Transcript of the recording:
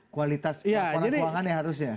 kualitas laporan keuangan ya harusnya